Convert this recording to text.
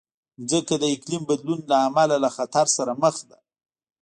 مځکه د اقلیم بدلون له امله له خطر سره مخ ده.